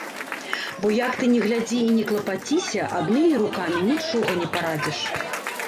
Бо як ты ні глядзі і ні клапаціся, аднымі рукамі нічога не парадзіш.